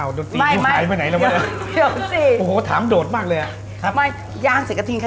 อ้าวดนตรีหายไปไหนแล้วโอ้โหถามโดดมากเลยอะไม่ย่างเสร็จก็ทิ้งขยะ